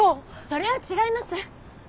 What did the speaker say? それは違います！